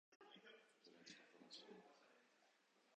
ドレミファソラシド